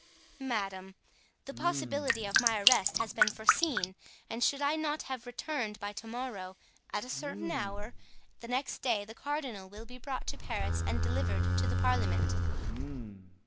"Madame, the possibility of my arrest has been foreseen, and should I not have returned by to morrow, at a certain hour the next day the cardinal will be brought to Paris and delivered to the parliament."